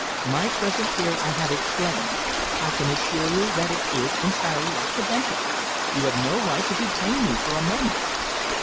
My presence here I have explained. I can assure you that it is entirely accidental! You have no right to detain me for a moment."